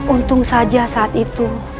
untung saja saat itu